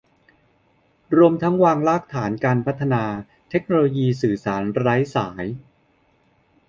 รวมทั้งวางรากฐานการพัฒนาเทคโนโลยีสื่อสารไร้สาย